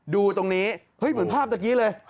ดูตรงนี้เฮ้ยเหมือนภาพตะกี้เลย